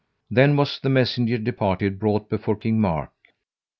Then was the messenger departed brought before King Mark.